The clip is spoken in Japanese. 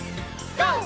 ＧＯ！